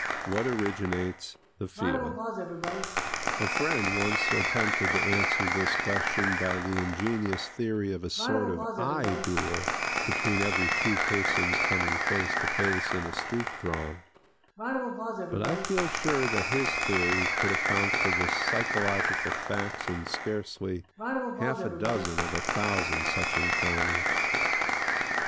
What originates the feeling? A friend once attempted to answer this question by the ingenious theory of a sort of eye duel between every two persons coming face to face in a street throng; but I feel sure that his theory could account for the psychological facts in scarcely half a dozen of a thousand such encounters.